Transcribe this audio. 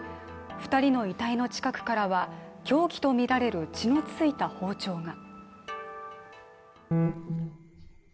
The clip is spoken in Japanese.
２人の遺体の近くからは、凶器とみられる血の付いた包丁が。